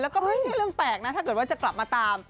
แล้วก็ไม่ใช่เรื่องแปลกนะถ้าเกิดว่าจะกลับมาตาม